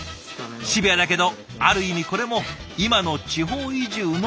シビアだけどある意味これも今の地方移住のリアル。